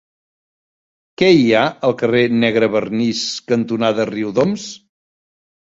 Què hi ha al carrer Negrevernís cantonada Riudoms?